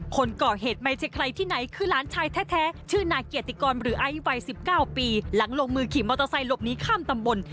คนก่อเหตุไม่ใช่ใครที่ไหนคือหลานชายแท้ชื่อนายเกียรติกรหรือไอซ์วัย๑๙ปีหลังลงมือขี่มอเตอร์ไซค์หลบหนีข้ามตำบล